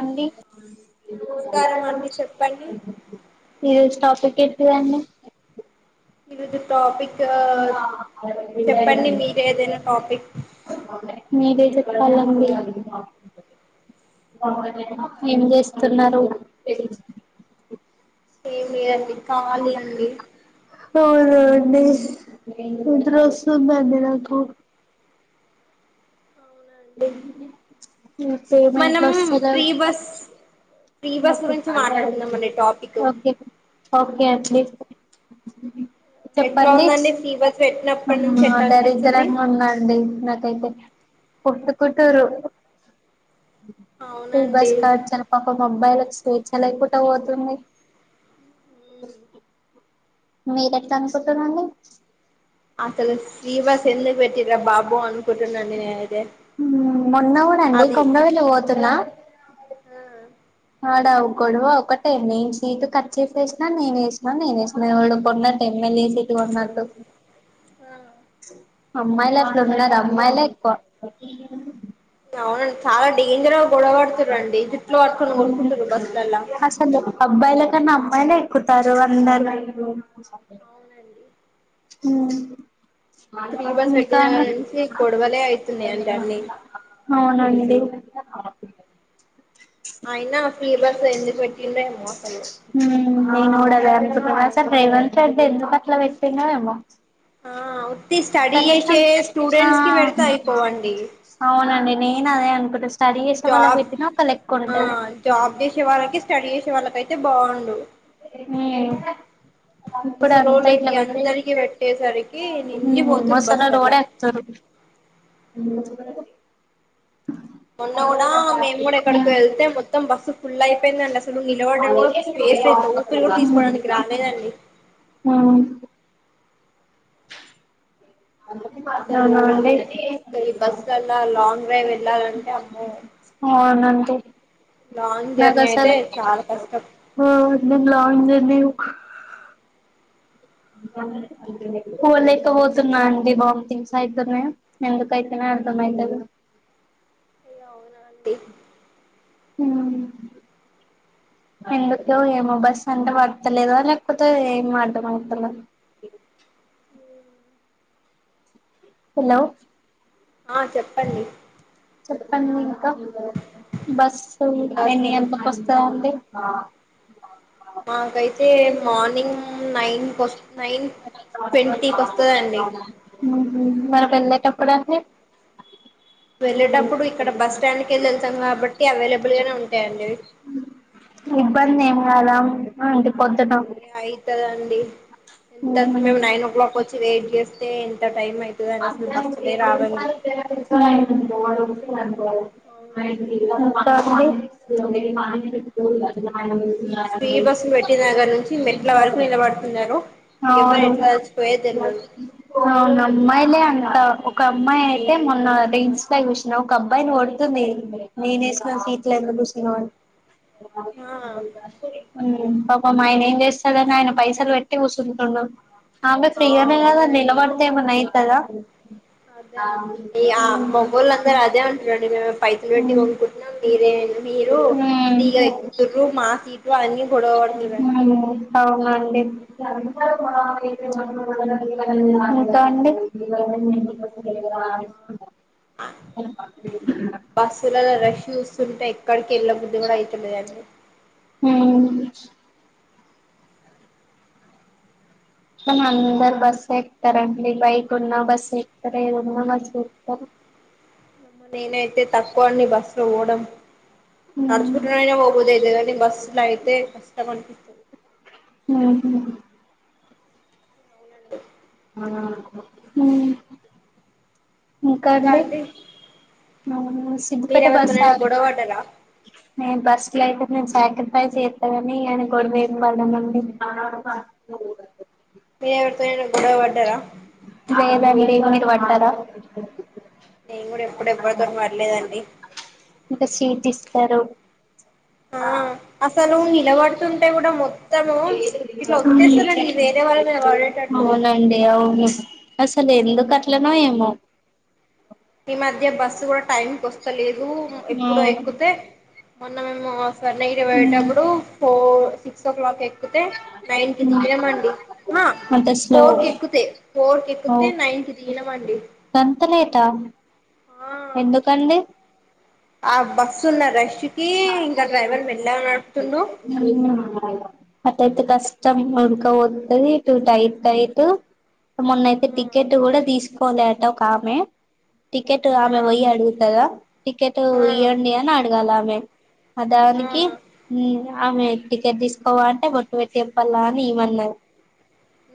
అన్నీ నమస్కారం అండి చెప్పండి ఈరోజు టాపిక్ ఏంటిదండి. ఈరోజు టాపిక్ చెప్పండి. మీరే ఏదైనా టాపిక్ మీరే చెప్పాలండి ఏం చేస్తున్నరు. ఏం లేదండి ఖాళీ అండి ఆ అండి నిద్ర వస్తుంది అండి నాకు పేమెంట్ మనం వస్తలేవ్ free bus free bus okay గురించి మాట్లాడుకుందాం అండి టాపిక్ ఓకే ఓకే [unintelligible] ఎట్లా చెప్పండి ఉందండి ఫ్రీ బస్ పెట్టినప్పటి నుంచి ఎట్లా అనిపిస్తుంది దరిద్ద్రంగా ఉందండి నకైతే కొట్టుకుంటుర్రు. ఫ్రీ బస్ అవునండి కచ్చాలు పాపం అబ్బాయిలకు స్వేచ్ఛ లేకుండాపోతుంది. మీరు ఎట్లా అనుకుంటురండి అసలు ఫ్రీ బస్ ఎందుకు పెట్టిరా బాబు అనుకుంటున్నాండి నేనైతే మొన్న కూడాడండి అది కొంమ్రవెల్లి పోతున్నా ఆ ఆడ గొడవ ఒకటె నేను సీట్టు ఖర్చ చేసేసినా నేను ఎశినా నేను ఎషినా ఎవడో కొన్నట్టె ఎమ్మెల్యే సీటు కొన్నట్టు అమ్మాయిలట్లున్నారు అమ్మాయిలే ఎక్కువ అవున చాలా డేంజర్ గా గొడవ పడుతుర్రండి జుట్లు పట్టుకొని కొట్టుకుంటుంర్రు బస్సుల్లల్లా అసలు అబ్బాయిల కాన్నా అమ్మాయిలే ఎక్కుతారు అందరు అవునండి ఉం ఫ్రీ బస్ ఇంకా పెట్టిన కాడ అని నుంచి గొడవలే అయితున్నాయంట అన్ని అవునండి అయినా ఫ్రీ బస్ ఎందుకు పెటింల్లో ఎమోసలు ప్రోస రేవంత్రెడ్డి ఎందుకు అట్లా పెట్టిండో ఎం వ ఆ ఉత్తి స్టడీ చేసే స్టూడెంట్స్ కి పెడతే ఆ అయిపోవండి అవునండి నేను అదే అనుకుంట జాబ్ ఆ జాబ్ చేసే వాళ్ళకి స్టడీ చేసే వాళ్ళ ఇప్పుడు అంతయిట్ల ముసలోళ్ళకి పెట్టి అందరికి పెట్టేసరికి నిండి ఉం పోతురు మస్సలోడు బస్లల్ల కూడా ఎక్తురు అ మొన్న కూడా మేము కూడా ఎక్కడికి వెళ్తే మొత్తం బస్సు ఫుల్ అయిపోయిందండి అసలు నిలబడ్డా కూడా స్పేస్ లేదు ఊపిరి కూడా తీసుకోవడానికి ఉం రాలేదండి అ అసలు అవునా అండి ఊరు ఈ బస్సులల్లా లాంగ్ డ్రైవ్ వెళ్ళాలంటే అమ్మో [unintelligible] లాంగ్ జర్నీ అయితే నాగసలు చాలా కష్టం ఆ నేన్ లాంగ్ జర్నీ కోల్ఎక్కే పోతున్నా అండి వామిటింగ్స్ అవుతునే ఎందుకైతునేఎ అర్థమ అయ్యో అయితలేదు అయ్యో అవునా అండి ఉం ఎందుకు ఏమో బస్ అంటే పడతలేదో లేకపోతే ఏమొ అర్ధం అయితలే హలో ఆ చెప్పండి చెప్పండి ఇంకా బస్ ఇంకా ఎన్ని అసలు గంట్లకి వస్తాదండి ఆ మాకైతే మార్నింగ్ నై వస్తదండి ఉహు మరి మెల్ల కప్పుడా సె వెళ్ళేటప్పుడు ఇక్కడ బస్ స్టాండ్ కెళ్ళి వెళ్తాం కాబట్టి అవైలబుల్ గానే ఉంటాయంండి చాల అంటడి పొద్దుట ఏయి అందండి ఎంత మేము నైన్ ఓ క్లాక్ వచ్చి వెయిట్ చేస్తే ఎంత టైం అవుతుందండి అసలు బస్సులే రావండి రాల అవునండి మ్మ్ మా ఈ ఫ్రీ బస్సు పెట్టి దగ్గర నుంచి మెట్ల వరకు నిలబడుతంది అవునువు తెల్వదు నమ్మాలే అంతా ఒక అమ్మాయి అయితే మొన్న రేంస్ కూర్చిన ఒక అబ్బాయిని కొడుతుంది నేను వేసుకు సీట్లు ఎందు కూర్చున్నా ర ఆ పాపం ఆయన ఏం చేస్తాదని ఆయన పైస సలు వెట్టటి కుసుంటన్నాం ఆమె ఆ ఫ్రీగానే కదా అవునండి నిలబడితే ఏమన్నా అయితుందా అదే ఈ ఆ మగోళ్ళందరూ అదే అంటురండి మేము పైసలు పెట్టి కొనుకుంటున్నాం మీరే మీరు ఫ్రీగా ఎక్కుతుర్రు మా సీట్లు అన్ని గొడవ పడుతురండి అవునండి కాదండి బస్సులలో రష్ చూస్తుంటే ఎక్కడికి వెళ్ళ బుద్ధి కూడా అయితులేదండి హ్మ్మ్ మ అందరు బస్ ఎక్తార అండి బైక్ ఉన్న బస్ ఎక్తార ఉన్నా బస్ ఎక్తార మ్ నేనైతే తక్కువ అని బస్సు లో పోవడం నడుచుకుంటునయినా పోబుద్ధి ఔతుంది కాని బస్సు లో అయితే కష్టం అనిపిస్తుంది ఉమ్ ఉ హ ఇంకా అండి సిద్ధపేట బస్ మీరెవరితోనైనా గొడవ పడ్డారా న బస్ లో అయితే నేను సాక్రిఫైస్ చేస్తా కాని ఆన గడవ పడానండి ఏ గొడవ పడ్డార వాంటారా నేను కూడా ఎప్పుడేవరితో పడ్లేదండి సారు అసలు నిలబడుతుంటే కూడా మొత్తము ఇట్లా ఒత్తేస్తారండి వేరే వాళ్ళ మీద పడేటట్టు నడి అవును అసలు ఎందుకు అట్లనో ఏమో ఈ మాధ్య బస్సు కూడా టైంకి వస్తలేదు ఎప్పుడో అవును ఎక్కితే మేము సార్ నైట్ వెేటప్పుడు ఫోర్ సిక్స్ ఓ క్లాక్ ఎక్ నైన్ కి దిగినమండి అంత స్లో ఫోర్ కి ఎక్కుతే ఫోర్ కి ఏక్కితే నైన్ కి దిగినం మండి గంతలేటా ఎందుకండి ఆ బస్సు ఉన్న రష్ కి ఇంకా డ్రైవర్ మెల్లగా నడుపుతుండు హ్మ్ అతే కష్టం ఉడకపోతది టు టైట్ టైట్ మొన్నయితే టికెట్ కూడా తీసుకోలే అట ఒక ఆమె టికెట్ ఆమె ఆ పోయి అడుగుతదా టికెట్ ఆ ఇగోండి అని అడగాలా ఆమె ఆ అదానికి హ్మ్ ఆమె టికెట్ తీసుకోవాలంటే బొట్టు పెట్టి చేప్పాల అని ఇమన్నారు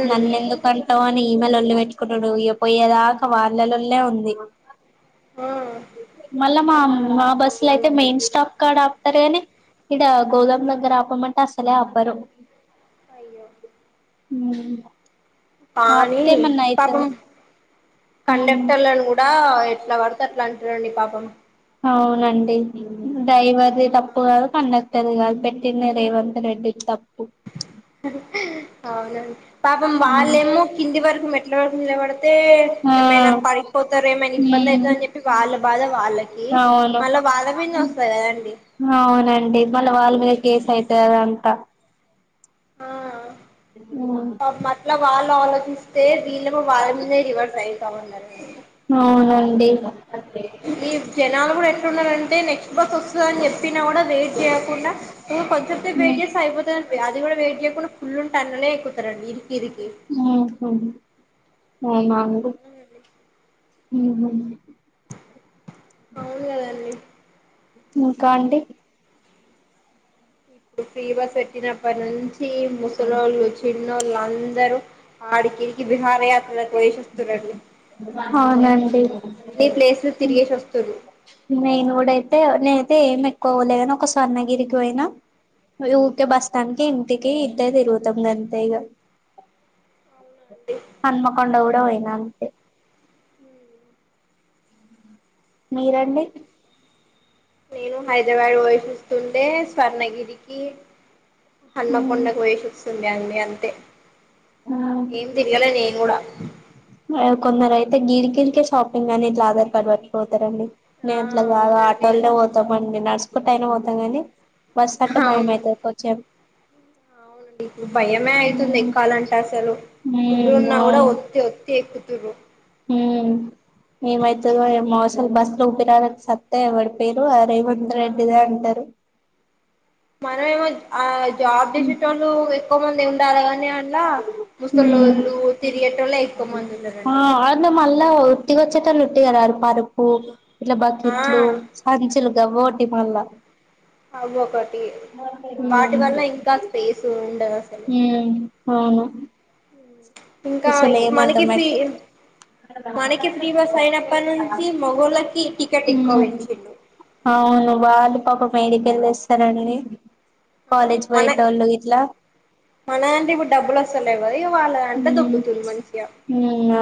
ఉమ్ నన్ని ఎందుకు అంటావ్ ఈమె లొల్లి పెట్టుకుంటుడు ఇగ పోయేదాకా వాళ్ళ లొల్లే ఉంది ఆ మళ్ళ మము మా బస్సు లో అయితే మెయిన్ స్టాప్ కాడ ఆపుతారు గాని ఇడ గోదాం దెగ్గర ఆపమంటే అసలే ఆపరు అయ్యో హ్మ్ పానీ పాపం ఉమ్ కండక్టర్లను కూడా ఎట్లా పడుతే అట్లా అం రండి పాపం అవునండి డైవర్ది తప్పు కండ టదిగాని పెట్టిన్న రేవంత్ రెడ్డి ది తప్పు అవును పాపం వాళ్ళేమో కింది వరకు ఎట్ల వరకు నిలబడితే ఆ ఏమైనా పడిపోతారు ఏమైనా ఇబ్బంది అవుతార ఉమ్ అని చెప్పి వాళ్ళ బాధ వాళ్ళకి అవును మళ్ళా బాధ మీంద వస్తది కదండి అవునండి మళ్ళ వాళ్ళ మీద కేసు అయితది అదంతా ఆ ఉమ్ పాపం అట్ల వాళ్ళు ఆలోచిస్తే దీళ్ళ కూడా వాళ్ళ మీదే రివర్స్ అయితా ఉన్నారండి డే గ ఈ జనాలు కూడా ఎ రున్న రంటే నెక్స్ బస్ వస్తుందని చెప్పినా కూడా వెయిట్ చేయకుండా ఇంకా కొంచం సేపు వెయిట్ చేసి అయిపోతం అది కూడా వెయిట్ చేయకుండా ఫుల్లు టన్ను లే ఎక్కుతారు అందుకే ఇరికి ఇరికి [unintelligible] అవునండి అండి హ్మ్ హు అవును కదండి మా కాడ ఉంటాయి ఇప్పుడు ఫ్రీ బస్ పెట్టినప్పటి నుంచి ముసలొళ్ళు చిన్నోళ్ళు అం అందరు అడికి ఇడికి వీహారయాత్రలకు పోయేసి వస్తున్రు అండి అవునండి అన్ని ప్లేస్లు తిరిగేసి వస్తున్రూ నేను కూడా అయితే నేనైతే ఏం ఎక్కువ పోలేగాని ఒక్క స్వర్ణగిరికి పోయినా ఊరికే బస్ స్టాండ్ కి ఇంటికి ఇట్టే తిరుగుతాం అంతే ఇక హన్మకొండ కూడా పోయినా అంతే మీరండి నేను హైదరాబాద్ పొయ్యెసి వస్తున్ ఏఏ స్వర్ణ గిరి పల్లె పల్లే కు పొయేసి వస్తుండు రండీ అంతే ఏమ్ తిరగాల నిన్ కూడ కొందరు అయితే గీడికిడీకే ష్టాపింగ్ అని ఇట్లా ఆధార్ కార్డ్ పట్టుకుపోతారండి ఆ మేము అట్లా కాదు అవునండి ఆటోలే పోతామండి నడుస్ పైన పోతాం అండి బస్సు అంటే భయం అవును అయితాది కోచ్చాన్ అవునండి ఇప్పుడు భయమే అయితుంది ఉమ్ ఎక్కాల అసలు పిల్లలు ఉన్నా కూడా ఒత్తి ఒ తేక్కుతురు మ్మ్ ఏమైతాదొ ఏమో అసలు బస్ లో ఊపిరాడక సత్తా పడిపోయరు ఆ రేవంత్ రెడ్డిదే అంటారు మరే ఆ జాబ్ చేసేటొళ్ళు ఎక్కువ మంది ఉండాలి కానీ అలా హ్మ్ ముసలొళ్ళు తిరిగేటొళ్ళు ఎక్కువ మంది ఆ ఉండారండి అదే కదా ఆ పరుపు ఇంట్లొ ఆ బకెట్ లు సంచులు అవొటీ మల్లా అయ్యో ఒకటి వాటి వల్ల ఇంకా స్పేస్ ఉండ ఉ [inaudible] అవును ఇంకా అసలు ఏమ్ మనకి ఫీ అవుతున్నట్టు అయిదు మనకి ఫ్రీ బస్ అయినప్పటి నుంచి మొగోళ్ళకి టికెట్ ఎక్కువ పెంచిండు కల్లా వస్తానాని పోవాలే అంటే ఇప్పుడు డబ్బులు వస్తున్నాయి కదా ఇవాళ మ్మ్ వునా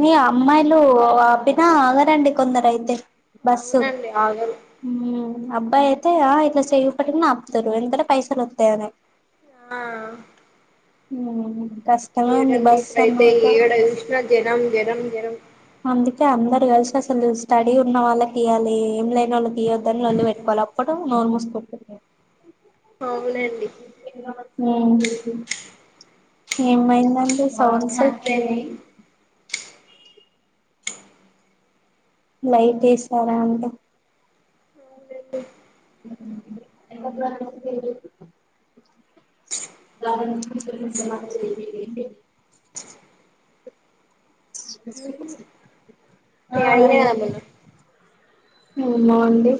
మీ అమ్మాయిలు ఆపినా ఆగరండి కొందరు అయితే బస్సు అవునండి ఆగరు హు అబ్బాయి తయ ఇట్లా చెయ్యిఉపటికనే ఆపుతారు ఎంతంటే పైసలు వత్తయని ఆ మ్ ఏడండి ఇప్పుడేతే ఏడ చుసిన జనం జ నం జనం అందుకే అందరు కలిసి అసలు స్టడీ ఉన్న వాళ్ళకి ఇయ్వాలి ఏం లేనోళ్ళకి ఇయొద్దని లొల్లి పెట్టుకోవాలే అప్పుడు నోరు మూసుకుంటది అవునండి హు ఏం పోయిందండి సౌండ్స్ అవునండి లైట్ ఏసారా అండి అవునండి ఎ ద మ్ హు మీ అయినే అన్నడు ఏమో అండి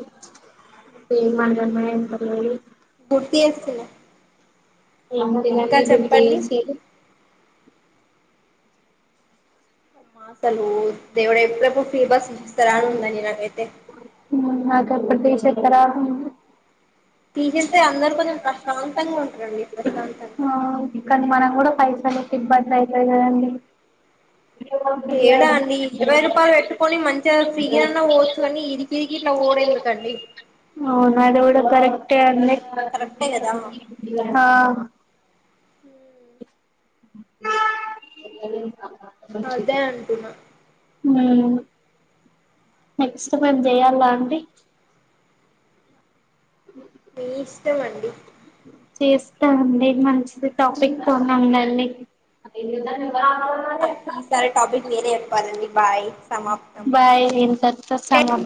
ఏమన్నానయ్ పర్లేదు గుర్తు చేస్తున్నా ఇంకా చెప్పండి [unintelligible] అసలు దేవుడ ఎప్పుడెప్పుడు ఫ్రీ బస్ తిస్తారా అని ఉందండి నాకైతే అప్పుడు తీషేత్తరా అని ఉంది తీసేస్తే అందరు కొంచెం ప్రశాంతంగా ఉంటారండి ప్రశాంతంగా కానీ మనం కూడా పైసలకు ఇబ్బంది అయితది కదండి ఏేడా అండి ఇరవై రూపాయలు పెట్టుకొని మంచిగా ఫ్రీగాన్నా పోవచ్చు కాని ఇరికిరికిట్లా పోవుడేందుకండి ట్టే అన్ని హా హు అదే అంటున్నా హు నెక్స్ట్ మేం చెయాలా అండి ఉ మీ ఇష్టమండి చేస్తా అండి మంచిది టాపిక్ తోని ఉండండి ఈసారి టాపిక్ మిరే చెప్పాలండి బాయ్ సమాప్తం స్ సమాప్